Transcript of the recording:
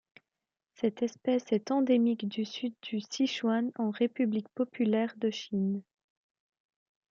Cette espèce est endémique du Sud du Sichuan en République populaire de Chine.